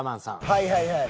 はいはいはい。